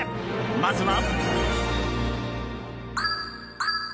まずは。